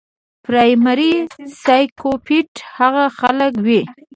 پرايمري سايکوپېت هغه خلک وي